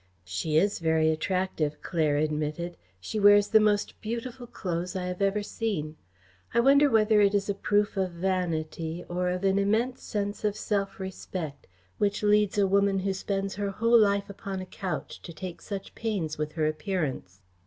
"She is very attractive," Claire admitted. "She wears the most beautiful clothes I have ever seen. I wonder whether it is a proof of vanity or of an immense sense of self respect which leads a woman who spends her whole life upon a couch to take such pains with her appearance."